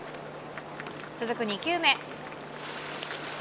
続く２球目。